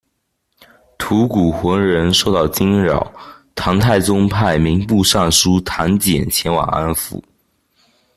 吐谷浑人受到惊扰，唐太宗派民部尚书唐俭前往安抚。